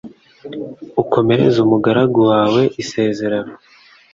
Ukomereze umugaragu wawe isezerano